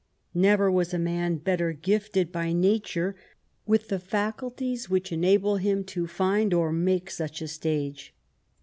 Never was a man better gifted by nature with the faculties which enable him to find or make such a stage.